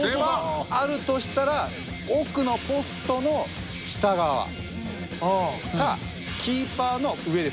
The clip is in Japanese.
あるとしたら奥のポストの下側かキーパーの上ですね。